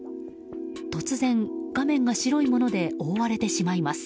突然、画面が白いもので覆われてしまいます。